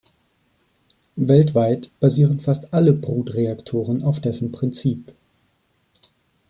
Weltweit basieren fast alle Brutreaktoren auf dessen Prinzip.